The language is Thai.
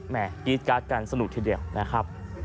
กรี๊ดการ์ดกันสนุกทีเดียวนะครับ